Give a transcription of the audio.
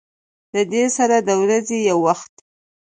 د دې سره د ورځې يو وخت